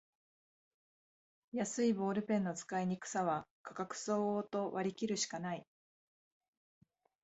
安いボールペンの使いにくさは価格相応と割りきるしかない